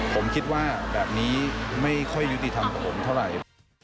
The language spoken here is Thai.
ผมคิดว่าแบบนี้ไม่ค่อยยุติธรรมกับผมเท่าไหร่